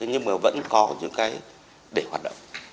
hoặc những cái để hoạt động